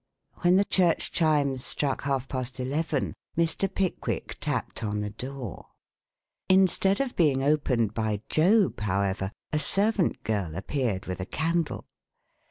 When the church chimes struck half past eleven Mr. Pickwick tapped on the door. Instead of being opened by Job, however, a servant girl appeared with a candle.